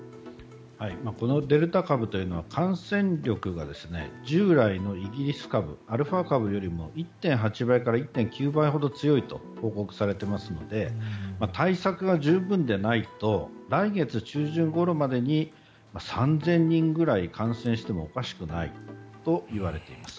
このデルタ株というのは感染力が従来のイギリス株アルファ株よりも１．８倍から１．９倍強いと報告されていますので対策が十分でないと来月中旬ごろまでに３０００人ぐらい感染してもおかしくないといわれています。